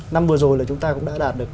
năm vừa rồi là chúng ta cũng đã đạt được